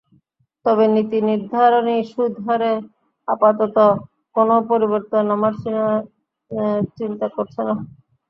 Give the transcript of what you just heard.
তবে নীতিনির্ধারণী সুদ হারে আপাতত কোনো পরিবর্তন আনার চিন্তা করছে না।